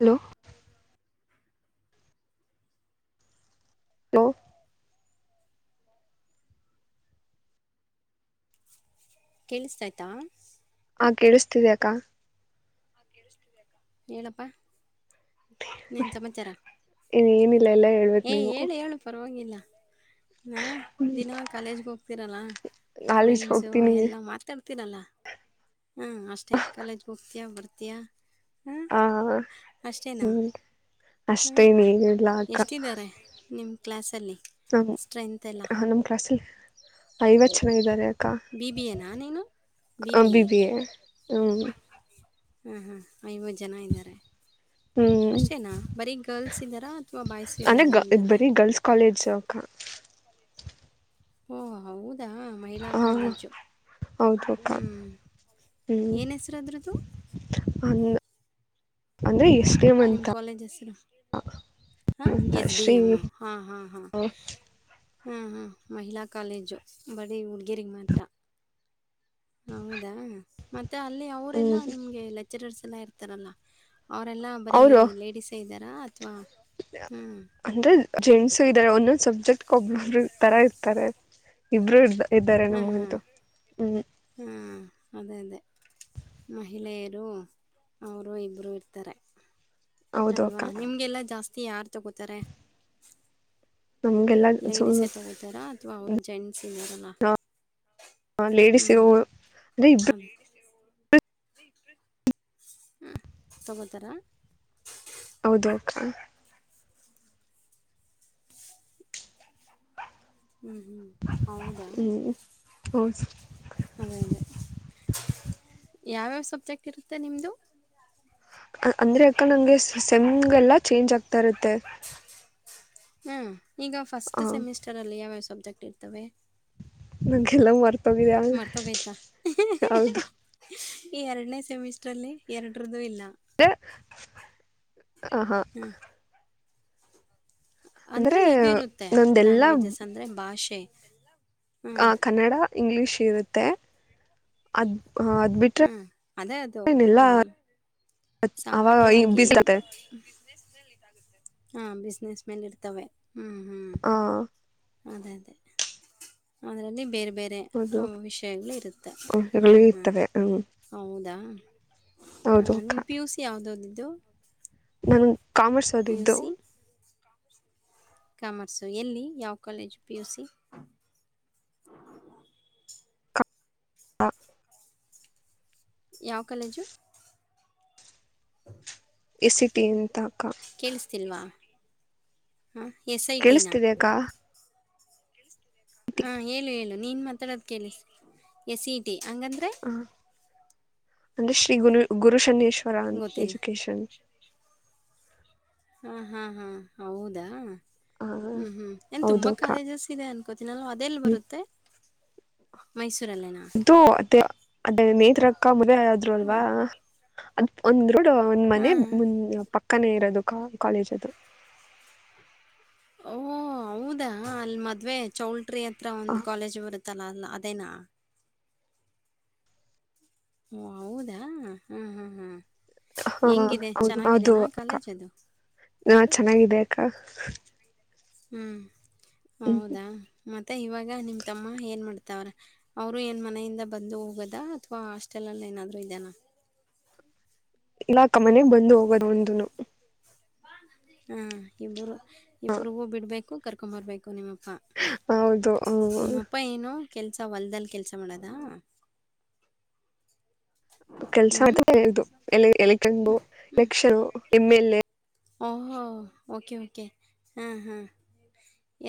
Hello hello ಕೇಳಿಸತ ಆಯ್ತಾ ಕೇಳುಸ್ತಿದ್ಯ ಅಕ್ಕ ಏಪ್ಪಾ ಇ ಏನಿಲ್ಲ ಎಲ್ಲ ಹೇಳ್ಬೇಕ್ ಏ್ ನೀವು ಹೇಳು ಹೇಳು ಪರವಾಗಿಲ್ಲ ಹಾ ದಿನವ ಕಾಲೇಜ್ಗೆ ಹೋಗ್ತಿರಲ್ಲ ಕಾಲೇಜ್ ಫ್ರೆಂಡ್ಸು ಹೋಗ್ತೀನಿ ಎಲ್ಲ ಮಾತಾಡ್ತ ಹೋಗರ್ತಿರಲ್ಲ ಹಾಂ ಅಷ್ಟೇ ಕಾಲೇಜ್ ಹೋಗ್ತೀಯ ಬರ್ತೀಯಾ ಹಾಂ ಹ ಅಷ್ಟೇನಾ ಹ್ಮ ಹ್ಞೂ ಅಷ್ಟೇ ನೀನಲ್ಲ ಅಕ್ಕ. ಕ್ಲಾಸ್ ಅಲ್ಲಿ. ನ ನಮ್ಮ ಕ್ಲಾಸ್ ಐವತ್ತು. ಇದ್ದಾರೆ ಅಕ್ಕ ಬಿ ಬಿಿ ಎನಾ ನೀನು ಬಿ ಬಿ ಎ ಹ್ಮ್ ಹ್ಮ್ ಹ್ಮ್ ಐವತ್ತು ಜನ ಇದ್ದಾರೆ ಹ್ಮ್ ಅಷ್ಟೇನಾ ಬರೀ ಗರ್ಲ್ಸ್ ಇದ್ದಾರಾ ಅಥವಾ ಬಾಯ್ಸು ಅಂದ್ರೆ ಇದ್ದಾರಾ ಗ ನಿಮ್ಮ ಇದ್ ಜೊತೆ ಬರೀ ಗರ್ಲ್ಸ್ ಕಾಲೇಜ್ ಅಕ್ಕ ಓ ಹೌದು ಅದಾ ಮಹಿಳಾ ಹಾ ಕಾಲೇಜು ಹೌದು ಅಕ್ಕ ಹ್ಞೂ ಹ್ಮ್ ಏನು ಹೆಸ್ರುದ್ರದ್ದು ಅಂದ ಅಂದ್ರೆ ಎಷ್ಟು ನಿಮ್ಮ ಕಾಲೇಜ್ ಹೆಸರು ಹಾಂ ಅಂತ ಎಚ್ ಡಿ ಶ್ರೀ ಎಮ್ಮ ಹಾಂ ಹಾಂ ಹಾಂ. ಹಾಂ ಹಾಂ ಮಹಿಳಾ ಕಾಲೇಜು ಬರೀ ಹುಡುಗೇರಿಗೆ ಮಾತ್ರ ಹೌದಾ ಮತ್ತೆ ಮತ್ತ ಅಲ್ಲಿ ಹ್ಮ್ ಅವರೆಲ್ಲಾ ನಿಮ್ಗೆ ಲೆಕ್ಚರರ್ಸ್ ಲ ಇರ್ತಾರಲ್ಲ ಅವರೆಲ್ಲಾ ಬರೀ ಅವರು ಲೇಡಿಸಸ್ೇ ಇದ್ದಾರೆ ಹಾ ಅಂದ್ರೆ ಜೆಂಟ್ಸ್ ಇದ ಒಂದೊಂದು ಸಬ್ಜೆಕ್ಟ್ ಕೊಬ್ಲ ತರ ಇರ್ತಾರೆ ಇಬ್ರುೂ ಇರ್್ದ [unintelligible] ಇದ್ದಾರೆ ಹಾಂ ಹಾಂ ನಮ್ಗಂತೂ ಹ್ಮ್. ಹಾಂ ಅದೇ ಅದೇ ಮಹಿಳೆಯರು ಅವ್ರು ಇಬ್ರು ಇರ್ತಾರೆ ಹೌದು ಅಕ್ಕ ಅಲ್ವಾ ನಿಮ್ಗೆಲ್ಲಾ ಜಾಸ್ತಿ ಕೀ ಯಾರು ತಗೋತಾರೆ. ನಮ್ಗೆಲ್ಲ ಲೇಡಿಸೇ ತಗೋತಾರಾ ಅಥವಾ ಅವ್ರದ್ ಜೇಂಟ್ ಹಾ ಲೇಡಿಸ್ ಹ್ಞೂ [unintelligible] ಹಾ ತಗೊತಾರ ಹೌದು ಅಕ್ಕ ಹ್ಮ್ ಹ್ಮ್ ಹೌದಾ ಹ್ಞೂ ಅದೇ ಅದೇ ಯಾವ್ಯಾವ ಸಬ್ಜೆಕ್ಟ್ ಇರುತ್ತೆ ನಿಮ್ದು ಅಂದ್ರೆ ಅಕ್ಕ ನಂಗೆ ಸೆಮ್ ಗೆಲ್ಲ ಚೇಂಜ್ ಆಗ್ತಾ ಇರುತ್ತೆ ಹ್ಮ್ ಈಗ ಫಸ್ಟ್ ಸೆಮಿಸ್ಟರ್ ಅಲ್ಲಿ ಯಾವ್ಯಾವ ಸಬ್ ಜೆಕ್ಟ್ ಇರ್ತವೆ ನಂಗೆಲ್ಲ ಮರ್ತ್ ಮರ್ತೋಗೈತಾ ಹೌದು ಈ ಎರಡನೇ ಸೆಮಿಸ್ಟ್ರ ಅಲ್ಲಿ ಎರಡರ್ದು ಇಲ್ಲ. ದ ಹಾ ಹಾ ಅಂದ್ರೆ ಇದಿರುತ್ತೆ ನಂದೆಲ್ಲ ಲ್ಯಾಂಗ್ವೇಜಸ್ ಅಂದ್ರೆ ಭಾಷೆ. ಹ್ಞೂ ಆ ಕನ್ನಡ ಇಂಗ್ಲೀಷ್ ಇರುತ್ತೆ ಅದ್ ಹ್ಮ್ ಅದೇ ಅದು ಹಾ ಅವಾಗ ಸಾಮಾನ್ಯವಾಗಿ ಬಿಸಿರುತ್ತೆ ಹಾ ಬಿಸ್ನೆಸ್ ಮೇಲೆ ಇರ್ತವೆ ಹ್ಮ್ ಹ್ಮ್ ಹಾ ಅದೇ ಅದೇ ಅದರಲ್ಲಿ ಬೇರೆ ಬೇರ್ ಬೇರೆ ಹೌದು ವಿಷಯಗಳು ಇರುತ್ತೆ ಇವುಗಳು ಹಾಂ ಹಾಂ ಇರ್ತವೆ ಹ್ಞೂ ಹೌದಾ ಹೌದು ಅಕ್ಕ ಯಾವ್ದ್ ಓದಿದ್ದು ನನಗ್ ಕಾಮರ್ಸ್ ಓದಿದ್ದು ಕಾಮರ್ಸು ಎಲ್ಲಿ ಯಾವ ಕಾಲೇಜು ಪಿ ಯು ಸಿ. ಅ ಯಾವ ಕಾಲೇಜು. ಎ ಸಿ ಟಿ ಅಂತ ಅಕ್ಕ ಕೇಳಿಸ್ತಿಲ್ವಾ ಹಾಂ ಎಸ್ ಐ ಟಿ ನಾ ಕೇಳಿಸ್ತಿದೆ ಅಕ್ಕ ಹಾ ಹೇಳು ಹೇಳು ನೀನ್ ಮಾತಾಡೋದ ಕೇಳಿಸ್ ಎಸ್ ಇಟಿ. ಹಂಗಂದ್ರೆ ಹಾಂ ಅಂದ್ರೆ ಶ್ರೀ ಗುರು ಗುರು ಸನ್ನೇಶ್ ವರ ಗೊತ್ತಿಲ್ಲ ಎಜುಕೇಷನ್ ಹಾ ಹಾ ಹಾ ಹೌದಾ ಹ ಹ್ಮ್ ಹ್ಮ್ ಏನ್ ಹೌದು ತುಂಬಾ ಅಕ್ಕ ಕಾಲೇಜಸ್ ಇದೆ ಅನ್ಕೋತೀನಲ್ವ ಅದೆೇಲ್ ಬರುತ್ತೆ ಮೈಸೂರು ಇದು ಅತ್ತೆ ಅದೇ ನೇತ್ರ ಕಾ ಮ ದ್ವೇ ಆದ್ರೂ ಅಲ್ವಾ ಹ್ಮ್ ಅದ್ ಒಂದು ನೋಡು ಒಂದ್ ಹಾ ಮನೆ ಪಕ್ ಕ್ಕನೆ ಇರೋದು ಕ ಕಾಲೇಜ್ ಅದು ಓ ಹೌದಾ ಅಲ್ಲಿ ಮದ್ವೆ ಚೌಲ್ ಟ್ರಿ ಹತ್ರ ಒಂದು ಕಾಲೇಜ್ ಬರುತ್ತೆ ತ್ತಲ ಅಲ್ಲ್ ಅದೇನ ಒಹ್ ಹೌದಾ ಹಾ ಹಾ ಹಾ ಹಾ ಹೆಂಗಿದೆ ಹೌದು ಹೌದು ಚೆನ್ನಾಗಿದೆನಾ ಅಕ್ಕ ಕಾಲೇಜ್ ಅದು ಹಾ ಚೆನ್ನಾಗಿದೆ ಅಕ್ಕ ಹ್ಮ್ ಹ್ಮ್ ಹೌದಾ ಮತ್ ಮತ್ತೆ ಇವಾಗ ನಿಮ್ ತಮ್ಮ ಏನು ಮಾಡ್ತಾವ್ರೇ ಅವರು ಏನ್ ಮನೆಯಿಂದ ಬಂದು ಹೋಗೋದ ಅಥ್ವಾ ಹಾಸ್ಟೆಲಲ್ಲಿ ಏನಾದರೂ ಇದಾನ ಇಲ್ಲ ಅಕ್ಕ ಮನೆಗ್ ಬಂದು ಹೋಗೋದು ಅವ್ನ್ದೂನು ಹಾ ಇಬ್ಬರು ಇಬ್ರಿಗೂ ಬಿಡ್ಬೇಕು ಕರ್ಕೊಂಬರ್ಬೇಕು ನಿಮ್ ಅಪ್ಪ್ ಹೌದು ಹಾ ಕೆಲ್ಸ ಹೊಲ್ದಲ್ ಕೆಲ್ಸ ಮಾಡದ ಕೆಲ್ಸ ಹ್ಞೂ [unintelligible] ಓಹೋ ಓಕೆ ಓಕೆ ಹಾ ಹಾ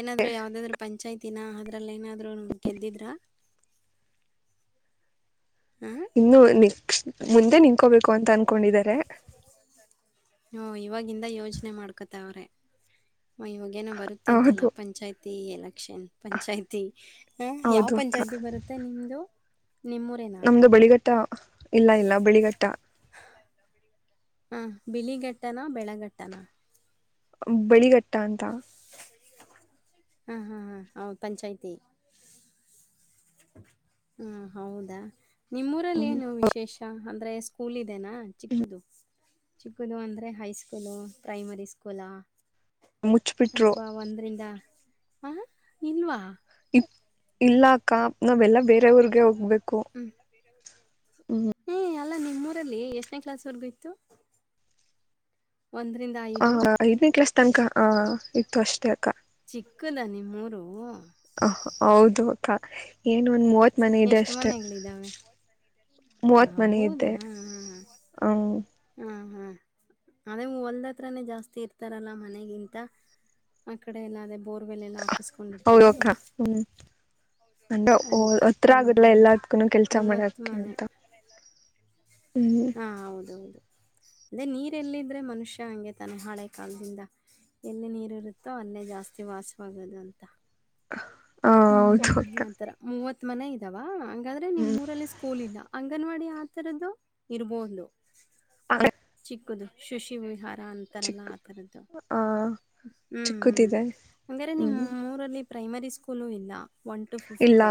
ಏನಾದ್ರು ಯಾವ್ದಾದ್ರು ಪಂಚಾಯತಿ ದಿನ ಅದ್ರಲ್ಲೇನಾದರೂ ಗೆದ್ದಿದ್ರಾ ಹಾಂ ಇನ್ನು ಅನ್ನಿ ಮುಂದೆ ನಿನ್ಕೋಬೇಕು ಅಂತ ಅನ್ಕೊಂಡಿದ್ದಾರೆ ಹೂ ಇವಾಗಿಂದ ಯೋಚ್ನೆ ಮಾಡ್ಕೊತಾವ್ರೆ ಇವಾಗೇನೋ ಬರುತ್ತಂತಲ್ಲ ಹೌದು ಪಂಚಾಯತ್ ತಿ ಎಲಕ್ ಕ್ಷನ್ ಪಂಚಾಯ್ತಿ ಹ್ಮ್ ಯಾವ್ ಹೌದು ಅಕ್ಕ ಪಂಚಾಯತಿ ಬರುತ್ತೆ ನಿಮ್ದು ನಮ್ದು ಬಳಿಗಟ್ಟ ಇಲ್ಲ ಇಲ್ಲ ಬಿಳಿಗಟ್ಟ ಹಾ ಬಿಳಿಗಟ್ಟನ ಬೆಳಗಟ್ಟನ ಬಳಿಗಟ್ಟ ಅಂತ ಹಾ ಹಾ ಹಾ ಪಂಚಾಯತಿ ಹಾ ಹೌದಾ ಹ್ಮ್ ನಿಮ್ಮೂರಲ್ಲೇನು ವಿಶೇಷ ಅಂದ್ರೆ ಸ್ಕೂಲ್ ಇದ್ ದೇನಾ ಚಿಕ್ಕದು ಚಿಕ್ಕದು ಅಂದ್ರೆ ಹೈಸ್ಕೂಲು ಪ್ರೈಮರಿ ಸ್ಕೂಲಾ ಮುಚ್ಬಿಟ್ರು ಅಥವಾ ಒಂದರಿಂದ ಹಾ ಇಲ್ವಾ ಇಲ್ಲ ಅಕ್ಕ ನಾವೆಲ್ಲಾ ಬೇರೆ ಊರ್ಗೆ ಹೋಗ್ಬೇಕು ಹ್ಮ ಹ್ಮ್ ಹ್ಮ ಅಲ್ಲಾ ನಿಮ್ಮೂರಲ್ಲಿ ಎಷ್ಟನೇ ಕ್ಲಾಸ್ ವರೆಗೂ ಇತ್ತು ಒಂದರಿಂದ ಹಾ ಐದು ಐದನೇ ಕ್ಲಾಸ್ ತನಕ ಆ ಇತ್ತು ಅಷ್ಟೆ ಚಿಕ್ಕದ ನಿಮ್ಮೂರು ಹೌದು ಅಕ್ಕ ಏನ್ ಒಂದ್ ಮೂವತ್ ಮನೆ ಇದೆ ಎಷ್ಟು ಅಷ್ಟೆ ಮನೆಗಳಿದ್ದಾವೆ ಮೂವತ್ ಮನೆ ಇದೆ ಹೌದಾ ಹ್ಮ್ ಹಾ ಹಾ ಅದೇ ಹೊಲ್ದ ಹತ್ರಾನೇ ಜಾಸ್ತಿ ಇರ್ತಾರಲ್ಲ ಮನೆಗಿಂತ ಆ ಕಡೆ ಎಲ್ಲ ಅದೆೇ ಬೋರ್ವೆಲ್ ಎಲ್ಲ ಹೌದು ಹಾಕಿಸ್ಕೊಂಡಿರ್ತಾರೆ ಅಕ್ಕ ಹ್ಮ್ ಅಂದ್ರೆ ಅದಕ್ಕೆ ಹತ್ರ ಹ್ಮ್ ಆಗಲ್ಲ ಹ್ಮ್ ಎಲ್ಲದಕ್ಕೂ ಕೆಲ್ಸ ಮೂವತ್ತು ಮಾಡಕ್ಕೆ ಮನೆ ಅಂತ ಹ್ಮ್ ಹಾಂ ಹೌದೌದು ಅದೇ ನೀರೆಲ್ಲಿದ್ದ್ರೆ ಮನುಷ್ಯ ಹಂಗೆ ತಾನೆ ಹಳೆ ಕಾಲದಿಂದ ಎಲ್ಲಿ ನೀರು ಇರುತ್ತೋ ಅಲ್ಲೇ ಜಾಸ್ತಿ ವಾಸವಾಗೋದು ಅಂತ ಹ ಹ್ಮ್ ಹೌದು ಹ್ಮ್ ಅಕ್ಕ ಆತರ ಮೂವತ್. ಮನ ಇದಾವ. ಹಾದ್ರೆ ನಿಮ್ಮ್ರಲ್ಲಿ ಸ್ಕೂಲ್ ಇಲ್ಲ ಅಂಗನವಾಡಿ. ಆ ಥರದ್ದು ಇರ್ಬಹುದು. ಆಗ ಶುಶಿ ವಿಹಾರ. ಲ್ಲ ಆರದ್ದ ಆ ಹ ಹ ಚಿಕ್ಕದಿದೆ ಹ್ಮ್ ನಿಮ್ಮರಲ್ಲಿ. Primary school. ಸ್ಕೂಲ್ ಇಲ್ಲ. ಒನ್ ಟು ಇಲ್ಲ ಫಿಫ್ತ್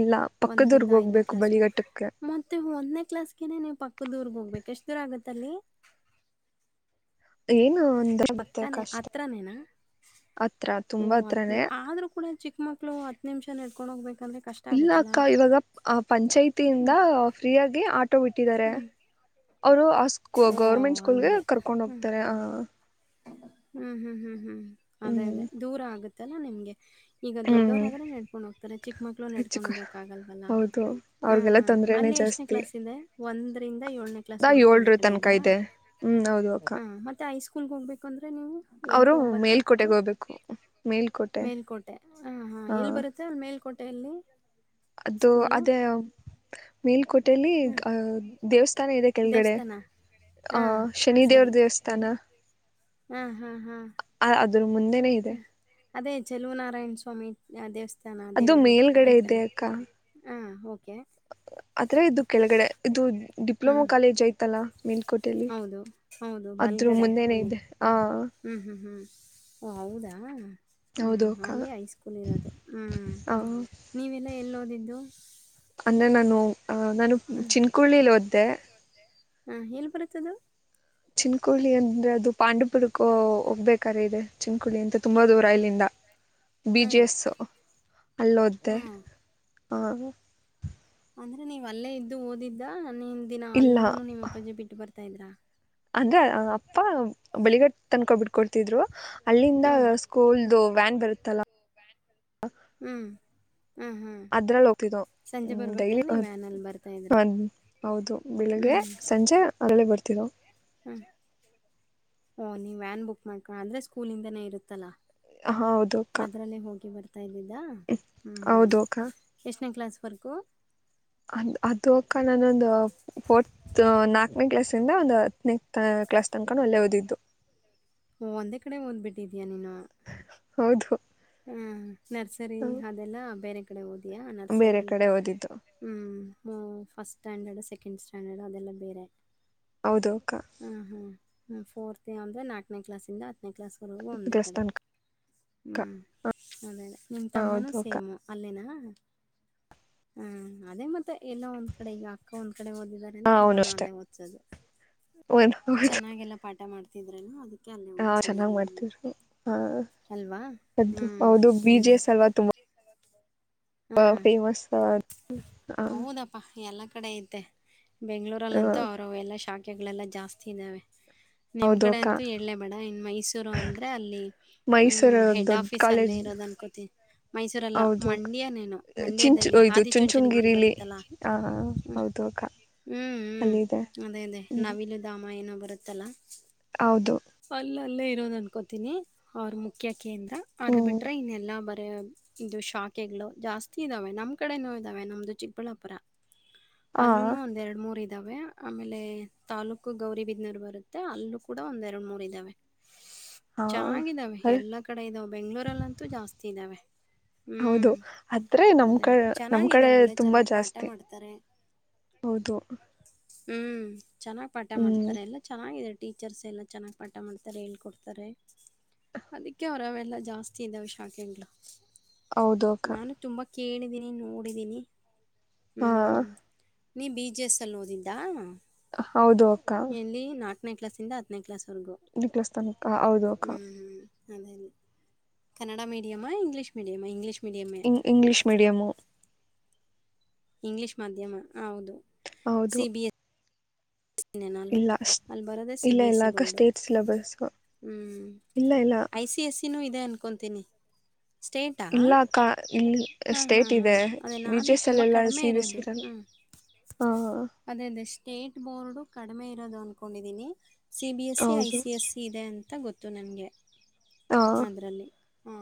ಇಲ್ಲ ಒಂದರಿಂದ ಪಕ್ಕದೂರ್ಗ್ ಐದನೇ ಹೋಗ್ಬೇಕು ಕ್ಲಾಸ್ು ಬಳಿಗಟ್ಟಕ್ಕೆ ಮತ್ತೆ ಒಂದನೇ ಕ್ಲಾಸ್ಗೆ ನೀವು ಪಕ್ಕದೂರ್ಗೆ ಹೋಗ್ಬೇಕುಷ್ಟ. ಇದರ ಆಗತ್ತಲ್ಲಿ. ಏನು ಒಂದ ಆಗುತ್ತೆ ಪಕ್ಕನೇ ಕಷ್ಟ ಹತ್ರನೇನಾ ಹತ್ರ ಓ ತುಂಬಾ ಹತ್ತು ಹತ್ರನೇ ಆದರೂ ಕೂಡ ಚಿಕ್ಕಮಕ್ಕಳು ಹತ್ತು ನಿಮಿಷ. ನಡ್ಕೊಂಡ ಹೋಗಬೇಕು. ಇಲ್ಲ ಅಕ್ಕ ಇವಾಗ ಪಂಚಾಯ್ತಿಯಿಂದ ಹ್ಞೂ ಫ್ರೀಯಾಗಿ ಆಟೋ ಬಿಟ್ಟಿದ್ದಾರೆ. ಹ್ಞೂ ಅವ್ರು ಆ ಸ್ಕೂ ಗವರ್ಮೆಂಟ್ ಓ ಸ್ಕೂಲ್ಗೆ ಹಂಗೆ ಕರ್ಕೊಂಡ್ ಹ್ಞೂ ಹೋಗ್ತಾರೆ ಆ. ಹ್ಮ್ ಹ್ಮ್ ಹ್ಮ್ ಹ್ಮ್. ಅದೇ ಹ್ಮ್ ಅದೇ ದೂರ ಆಗುತ್ತೆ. ಇಲ್ಲಾ ನಿಮ್ಗೆ. ಈಗ ಹ್ಮ್ ದೊಡ್ಡವರಾದ್ರೆ ನೆಡ್ಕೊಂಡ್ ಹೋಗ್ತಾರೆ ಚಿಕ್ಕ ಮಕ್ಳೂ ನೆಡ್ಕೊಂಡ್ ಹೆಚ್ಚು ಹೋಗ್ಕ್ ಆಗಲ್ವಲ್ಲ ಹೌದು ಹಾ ಅವ್ರಿಗೆಲ್ಲ ಹಾ ತೊಂದ್ರೆನೇ ಅಲ್ಲಿ ಎಷ್ಟನೇ ಜಾಸ್ತಿ ಕ್ಲಾಸ್ ಇದೆ. ಒಂದರಿಂದ. ನ ದಾ ಕ್ಾಗ ಒಂದ ಏಳ್ರ ಕಡೆ ಇದ. ತನಕ ಇದೆ ಹ್ಮ್ ಹೌದು ಅಕ್ಕ ಕೂಲ್ ಹೋಗ್ಬೇಕಂತ. ನೀ ಅವರು ಎಂಟು ಒತ್ತು ಹತ್ತು ಮೇಲ್ಕೋಟೆಗೆ ಹೋಗ್ಬೇಕು ಮೇಲ್ಕೋಟೆ ಹ ಹ ಎಲ್ಲಿ ಬರುತ್ತೆ ಅಲ್ಲಿ ಮೇಲ್ಕೋಟೆ. ಲ್ಲಿ. ಅದು ಅದೇ ಮೇಲ್ ಕೊಟ್ಟ ಹ್ಮ್. ದೇವಸ್ಥಾನ ಇದೆ ಕೆಳಗಡೆ ದೇವಸ್ಥಾನ? ಆ ಹಾಂ, ಶನಿಿದೇವ್ರ ದೇವಸ್ಥಾನ ಹ್ಮ್ ಹ್ಮ್ ಹ್ಮ್ ಅ್ರ ಮುಂದೆನೆ ಇದೆ ಚೆಲುವ ನಾರಾಯಣ ಸ್ವಾಮಿ ಆ ದೇವಸ್ಥ ಅದು ಮೇಲ್ಗಡೆ ಇದೆ ಅಕ್ಕ ಹಾಂ ಓಕೆ ಅತ್ರ ಇದು ಕೆಳಗಡೆ ಇದು ಡಿಪ್ಲೊಮಾ ಹ್ಮ್ ಕಾಲೇಜ್ ಐ್ತಲ್ಲಾ [unintelligible] ಮುಂದೆನೆ ಇದೆ ಆ [inaudible] ಓ ಹೌದಾ ಹೌದು ಹ್ಮ ಅಕ್ಕ ಅಲ್ಲೇ ಹೈಸ್ಕೂಲ್ ಇರೋದು ಹ್ಮ ನೀವೆಲ್ಲ ಎಲ್ಲಿಓದಿದ್ದು ಇ ನಾನು ಆ ನಾನು ಹ್ಮ್ ಚಿನ್ಕಳ್ಳಿಲ್ಲಿದ ತೆ ಹಾ ಎಲ್ಲಿ ಬರುತ್ತದು ಚಿನ್ಕುಳಿ ಅಂದ್ರೆ ಅದು ಪಾಂಡಪುರಕ್ಕೂ ಹೋಗ್ಬೇಕಾರೆ ಇದೆ ಚಿನ್ಕುಳಿ ಅಂತ ತುಂಬಾ ದೂರ ಇಲ್ಲಿಂದ ಬಿ ಹಾ ಜೆ ಎಸ್ ಅಲ್ಲೋ್ದೆ ಹಾ ಹ ಅಂದ್ರೆ ನೀವ್ ಅಲ್ಲೇ ಇದ್ದು ಓದಿದ್ದ ನ್ ದಿನ ಇಲ್ಲ ಅಲ್ಗುನು ನಿಮ್ಮ ಅಪ್ಪಾಜೆ ಬಿಟ್ಟು ಬರ್ತ ತಂದ್ರ ಅಂದ್ರೆ ಅಪ್ಪ ಬಳಿಗಟ್ಟ ತನ್ಕೊಬಿಟ್ಕೊಡ್ತಿದ್ರು ಅಲ್ಲಿಂದ ಹ್ಮ್ ಸ್ಕೂಲ್ದು ವ್ಯಾನ್ ಬರುತ್ತಲ್ಲಾ ಹ್ಮ್ ಹ್ಮ್ ಹ್ಮ್ ಅದ್ರಲ್ಲಿ ಹೋಗ್ತಿದ್ದು ಸಂಜೆ ಹ್ಮ ಡೈಲಿ ಬರ್ಬೇಕಂದ್ರೆ ನೀವು ವ್ಯಾನಲ್ಲಿ ಬರ್ತಾಯಿದ್ರು ಹೌದು ಬೆಳಿಗ್ಗೆ ಹ್ಮ್ ಸಂಜೆ ಅದ್ರಲ್ಲಿ ಬರ್ತ ತಿ ಹ್ಞ ಓಹ ನೀವು ವ್ಯಾನ್ ಬುಕ್ ಮಾಡ್ಕೊ ಅಂದರೆ ಸ್ಕೂಲಿಂದನೇ ಇರುತ್ತಲ್ಲ ಹೌದು ಅಕ್ಕ ತ ಇದ್ದಿದ್ದ ಹ್ಞೂ ಹೌದು ಹ್ ಅಕ್ಕ ಎಷ್ಟನೇ ಕ್ಲಾಸ್ ಫಕ ಅ್ ಅದು ಅಕ್ಕ ನಾನೊಂದು ಫೋರ್ತ್ ನಾಲ್ಕನೇ ಕ್ಲಾಸ್ಂದ ಒಂದು ಹತ್ತನೇ ಕ್ಲಾಸ್ ತನಕನ ಒಳ್ಳೆ ಓದಿದ್ದು ಓ ಒಂದೇ ಕಡೆ ಓದ್ಬಿಟ್ಟಿದೀಯ ನೀನು ಹೌದು ಹ್ಮ್ ನರ್ಸರಿ ಅದೆಲ್ಲ ಬೇರೆ ಕದು ಇದಯಾ ಬೇರೆ ನರ್ಸರಿ ಕಡೆ ಓದಿದ್ದು ಹ್ಮ ಫಸ್ಟ್ ಸ್ಟ್ಯಾಂಡರ್ಡ್ ಸೆಕೆಂಡ್ ಸ್ಟ್ಯಾಂಡರ್ಡ್ ಅದೆಲ್ಲ ಬೇರೆ ಹೌದೌಕ್ಕ ಫೋತ್ ಅ್ರರೆ ನಾಲ್ಕನೇ ಕ್ಲಾಸಿಂದ ನೆಕ್ಲಸ್ ಕುರಗೂ ಉಂದು ಇ ಕ್ಲಾಸ್ ಕಡೆ ತನಕ ಹ್ಞ ಅದೇ ನಿಮ್ಮ ಹಾಂ ತಮ್ಮನೂ ಹೌದು ಅಕ್ಕ ಸೇಮು ಅಲ್ಲೇನಾ ಹ್ಮ ಅದೇ ಮತ್ತೆ ಎಲ್ಲ ಒಂದು ಕಡೆ ಈಗ ಅಕ್ಕ ಒಂದು ಕಡೆ ಓದಿದ್ದಾರೆ ಅಂದ ಹಾಂ ಅವನು ತಮ್ಮನ ಅಷ್ಟೇ ಅಲ್ಲೇ ಓದಿಸೋದು ಅವನು ಹೌದು ಚೆನ್ನಾಗೆಲ್ಲ ಪಾಠ ಮಾಡ್ತಾರೆ ದ್ರೆನ ಅದು ಅಕೆ ಅಲ್ಲೇ ಹಾಂ ಓದಿಸಿದ್ದಾರೆ ಚೆನ್ನಾಗಿ ನಿಮ್ಮನ್ನು ಮಾಡ್ತಿದ್ರು ಹಾಂ ಅಲ್ವಾ ಹ್ಮ್ ಹೌದು ಬಿ ಜೆ ಎಸ್ ಅಲ್ವಾ ತುಂಬಾ ಫೇಮಸ್ ಹೌದಪ್ಪಾ ಎಲ್ಲ ಕಡೆಯತೆ ಬೆಂಗ್ಗಳೂರಲ್ಲ ಅಂತೂ ಅವರು ಎಲ್ಲ ಶಾಕ್ ಮೆಗಳೆಲ್ಲ ಜಾಸ್ತಿ ಇದ್ದಾವೆ ನಿಮ ಹೌದು ಕಡೆ ಅಕ್ಕ ಅಂತೂ ಹೇಳೇ ಬೇಡ ಇನ್ನು ಮೈಸೂರು ಅಂದ್ರೆ ಅಲ್ಲಿ ಮೈಸೂರು ಹೆಡ್ ದೊಡ್ಡ ಆಫೀಸ್ ಅಲ್ಲೇ ಕಾಲೇಜ್ ಇರೋದು ಅನ್ಕೋತೀಿ ಮೈಸೂರಲ್ಲ ಹೌದು ಅಕ್ಕ. ಮಂಡ್ಯನೇನು ಚಿಂಚು ಮಂಡ್ಯದಲ್ಲಿ ಇದು ಆದಿಚುಂಚನಗಿರಿ ಚುಂಚುಂಗಿರಿಲಿ ಬ್ಮ ಆ ಹೌದು ಅಕ್ಕ ಹ್ಮ್ ಹ್ಮ್ ಅಲ್ಲಿದೆ ಅದೇ ಅದೇ ಹ್ಮ್ ನವಿಲುಧಾಮ ಏನೋ ಬರುತ್ತ ಅತ್ತಲ್ಲಾ ಹೌದು ಅಲ್ಲ ಅಲ್ಲೇ ಇರೋದು ಅನ್ಕೋತೀನಿ ಅವರು ಮುಖ್ಯ ಅದು ಹ್ಮ್ ಬಿಟ್ರೆ ಇನ್ನೆಲ್ಲಾ ಬರ್ ಇದು ಶಾಖೆಗಳು ಜಾಸ್ತಿ ಇದ್ದಾವೆ ನಮ್ ಕಡೆನೋ ಇದಾವೆ ನಮ್ದು ಚಿಕ್ಕಬಳ್ಳಾಪುರ ಆ ಅಲ್ಲೂನು ಒಂದೆರಡು ಮೂರ ಇ ಇದ್ದಾವೆ ಆಮೇಲೆ ತಾಾಲೂಕು ಗೌರಿಬಿದ್ನೂರು ಬರುತ್ತೆ ಅಲ್ಲೂ ಕೂಡ ಒಂದ ಮೂಡಿದಾವೆ ಹಾ ಚೆನ್ನಾಗಿದ್ದಾವೆ ಅಲ್ ಎಲ್ಲಾ ಕಡೆ ಇದಾವ ಬೆಂಗ್ಗಳೂರಲ್ಲಂತೂ ಜಾಸ್ತಿ ಇದ್ದಾವೆ ಹೌದು ಹ್ಮ್ ಆದ್ರೆ ನಮ್ಮ ಅದೇ ಅದೇ ಕಡೆ ನಮ್ಮ ಚೆನ್ನಾಗಿದೆ ಕಡೆ ಒಳ್ಳೆ ತುಂಬಾ ಚೆನ್ನಾಗ್ ಪಾಠ ಜಾಸ್ತಿ ಮಾಡ್ತಾರೆ ಹೌದು ಹ್ಮ್ ಚೆನ್ನಾಗ್ ಪಾಠ ಹ್ಮ್ ಮಾಡ್ತಾರೆ ಎಲ್ಲಾ ಚೆನ್ನಾಗಿದೆ ಟೀಚರ್ಸ್ ಎಲ್ಲ ಚೆನ್ನಾಗಿ ಪಾಠ ಮಾಡ್ತಾರೆ ಹೇಳ್ಕೊಡ್ತಾರೆ ಅದಕ್ಕೆ ಅವರೆಲ್ಲ ಜಾಸ್ತಿ ಇದ್ದಾವೆ ಶಾಕಂಗ್ಗಳು ಹೌದಕ ಕೇಳಿದೀನಿ ನೋಡಿದ್ದೀನಿ ಹಾ ಹ್ಮ್ ನೀ ಬಿ ಜೆ ಎಸ್ಸಲ್ಲಿ ಓದಿದ್ದಾ ಹೌದು ಅಕ್ಕ ನೇ ಕ್ಲಾಸಿಂದ ಹತ್ ನಕ್ಲಸ್ ನಿಕ್ಲಸ್ತಾನಕ್ಕ ಹೌದು ಅಕ್ಕ ಅದೇ Kannada medium English medium English ಮೀಡಿಯಮ್ಮೇ ಇಂಗ್ ಇಂಗ್ಲೀಷ್ ಮೀಡಿಯಮು ಇಂಗ್ಲಿಷ್ ಮಾಧ್ಯಮ ಹೌದು ಹೌದು ಸಿ ಬಿ ಎಸ್ ಇಲ್ಲ ಅಷ್ಟ್ ಅಲ್ ಬರದೆೇ ಸಿ ಇಲ್ಲ ಬಿ ಇಲ್ಲ ಎಸ್ಸಿ ಅಕ್ಕ ಬೋರ್ಡು ಸ್ಟೇಟ್ ಸಿಲೆಬಸ್ಸು ಹ್ಮ ಇಲ್ಲ ಇಲ್ಲ ಐ ಸಿ ಎಸ್ಸಿ ನು ಇದ್ ನೇ ಅನ್ಕಂತೀನಿ ಸ್ಟೇಟಾ ಇಲ್ಲ ಅಕ್ಕ ಇಲ್ಲಿ ಹಾಂ ಸ್ಟೇಟ್ ಹಾಂ ಇದೆ ಹಾಂ ಅದೇ ಬಿ ಜಿ ನಾನೇ ಎಸ್ ತುಂಬ ಅಲ್ಲೆಲ್ಲ ಕಡಿಮೆ ಸಿ ಬಿ ಎಸ್ ಇರೋದು ಇರಲ್ಲ ಹ್ಮ್ ಹಾಂ ಅದೇ ಅದೇ ಸ್ಟೇಟ್ ಬೋರ್ಡು ಕಡಿಮೆ ಇರೋದು ಅನ್ಕೊಂಡಿದ್ದೀನಿ C B S C I ಹೌದು ಸಿ ಎಸ್ ಸಿ ಇದೆ ಅಂತ ಗೊತ್ ತ್ತು ನನಗೆ ಹಾಂ ಅದ್ರಲ್ಲಿ ಹಾ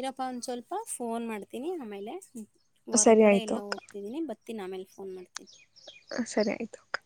ಇರಪ್ಪ ಒಂದ್ ಸ್ವಲ್ಪ ಫೋನ್ ಮಾಡ್ತೀನಿ ಆಮೇಲೆ ಸರಿ ಹೊರ್ಗಡೆ ಆಯಿತು ಎಲ್ಲ ಅಕ್ಕ ಹೋಗ್ತಿದ್ದೀನಿ ಬತ್ ಬತ್ತೀನಿ ಆಮೇಲೆ ಫೋನ್ ಮಾಡ್ತೀನಿ ಹಾಂ ಸರಿ ಆಯಿತು ಅಕ್ಕ